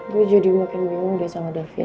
gue jadi makin bingung deh sama devia